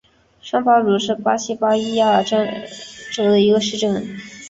上巴鲁是巴西巴伊亚州的一个市镇。